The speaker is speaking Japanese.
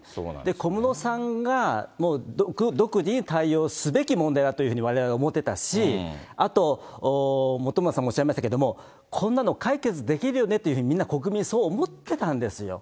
小室さんが独自に対応すべき問題だというふうにわれわれは思ってたし、あと、本村さんもおっしゃいましたけど、こんなの解決できるよねって、みんな国民、そう思ってたんですよ。